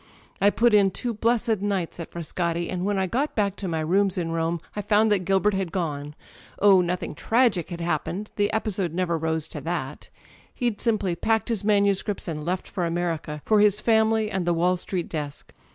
I put in two blessed nights at Frascati, and when I got back to my rooms in Rome I found that Gilbert had gone ... Oh, nothing tragic had happened â€" the episode never rose to thai. He'd simply packed his manuscripts and left for America â€" for his family and the Wall Street desk.